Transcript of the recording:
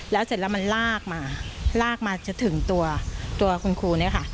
แล้วเสร็จแล้วมันลากมาลากมาจะถึงตัวตัวคุณครูเนี่ยค่ะ